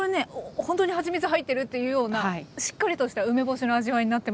ほんとにはちみつ入ってる？っていうようなしっかりとした梅干しの味わいになってます。